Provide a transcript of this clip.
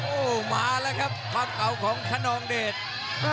โอ้โหมาแล้วครับความเก่าของคนนองเดช